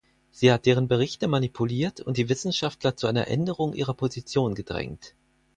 Sie hat deren Berichte manipuliert und die Wissenschaftler zu einer Änderung ihrer Position gedrängt.